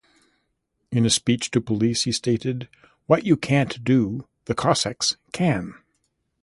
In a speech to police he stated, What you can't do, the Cossacks can.